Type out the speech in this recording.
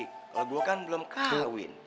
kalau gue kan belum halwin